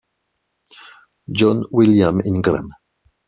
John William Ingram